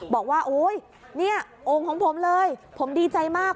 บอกว่าโอ๊ยเนี่ยโอ่งของผมเลยผมดีใจมาก